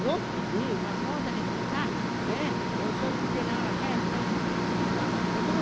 「うんそうだけどもさ遅いって言いながら早く帰ってくるってことは驚くよ」。